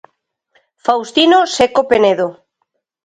Faustino Seco Penedo.